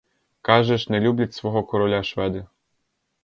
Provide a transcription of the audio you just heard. Кажеш — не люблять свого короля шведи.